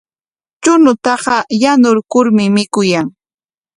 Chuñutaqa yanurkurmi mikuyan.